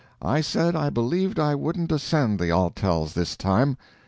I said I believed I wouldn't ascend the Altels this time.